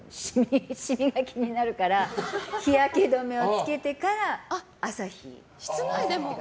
シミが気になるから日焼け止めをつけてから、朝日。